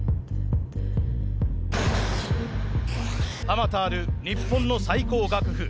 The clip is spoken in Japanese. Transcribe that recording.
あまたある日本の最高学府